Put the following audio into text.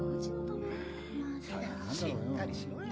しっかりしろよ。